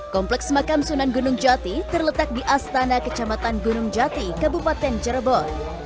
kompleks makam sunan gunung jati terletak di astana kecamatan gunung jati kabupaten cirebon